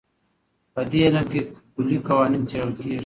په دې علم کې کلي قوانین څېړل کېږي.